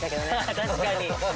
確かに。